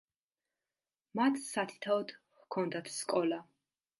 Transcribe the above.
მათ სათითაოდ ჰქონდათ სკოლა.